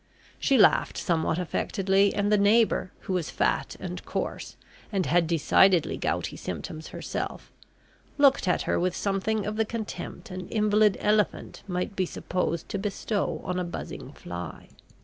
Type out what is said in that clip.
She laughed somewhat affectedly, and the neighbour, who was fat and coarse, and had decided gouty symptoms herself, looked at her with something of the contempt an invalid elephant might be supposed to bestow on a buzzing fly.